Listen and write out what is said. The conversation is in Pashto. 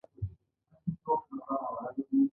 ويې ويل: ټوپک ور رسېږي!